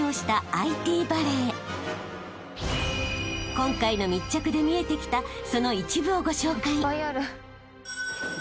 ［今回の密着で見えてきたその一部をご紹介］